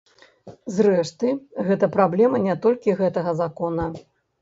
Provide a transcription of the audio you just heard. Зрэшты, гэта праблема не толькі гэтага закона.